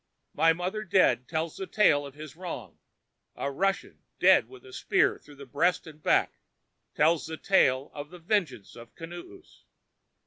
My mother dead tells the tale of his wrong; a Russian, dead with a spear through breast and back, tells the tale of the vengeance of Kinoos.